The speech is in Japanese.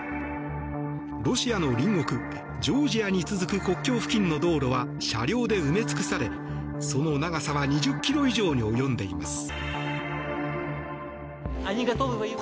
ロシアの隣国、ジョージアに続く国境付近の道路は車両で埋め尽くされ、その長さは２０ｋｍ以上に及んでいます。